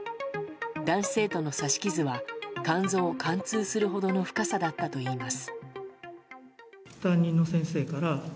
男子生徒の刺し傷は肝臓を貫通するほどの深さだったといいます。